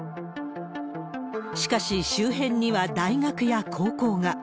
しかし、周辺には大学や高校が。